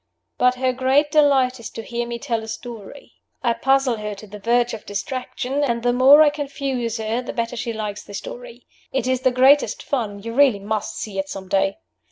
But her great delight is to hear me tell a story. I puzzle her to the verge of distraction; and the more I confuse her the better she likes the story. It is the greatest fun; you really must see it some day."